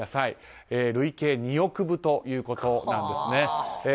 累計２億部ということなんですね。